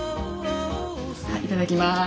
いただきます！